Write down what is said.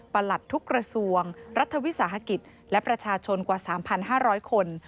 หลัดทุกกระทรวงรัฐวิสาหกิจและประชาชนกว่า๓๕๐๐คน